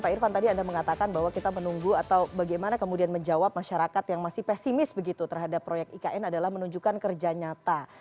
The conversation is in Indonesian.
pak irfan tadi anda mengatakan bahwa kita menunggu atau bagaimana kemudian menjawab masyarakat yang masih pesimis begitu terhadap proyek ikn adalah menunjukkan kerja nyata